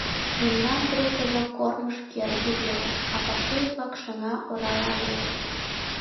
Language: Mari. — Мемнан группыжо «кормыж кӧргӧ» веле, а фашист-влак шыҥа орала лектыт.